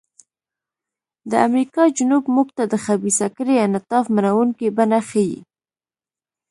د امریکا جنوب موږ ته د خبیثه کړۍ انعطاف منونکې بڼه ښيي.